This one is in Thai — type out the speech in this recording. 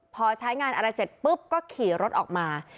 พอใช้งานอะไรเสร็จปุ๊บก็ขี่รถออกมา